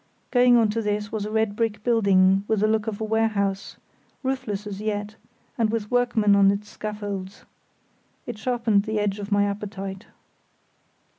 Going on to this was a red brick building with the look of a warehouse, roofless as yet, and with workmen on its scaffolds. It sharpened the edge of my appetite.